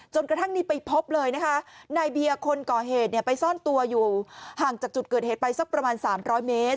กระทั่งนี้ไปพบเลยนะคะนายเบียร์คนก่อเหตุเนี่ยไปซ่อนตัวอยู่ห่างจากจุดเกิดเหตุไปสักประมาณ๓๐๐เมตร